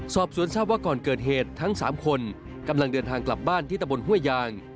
สอบสวนทราบว่าก่อนเกิดเหตุทั้ง๓คนกำลังเดินทางกลับบ้านที่ตะบนห้วยยาง